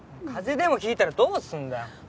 風邪でも引いたらどうすんだよ。